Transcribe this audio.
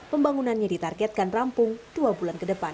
pembangunannya ditargetkan rampung dua bulan ke depan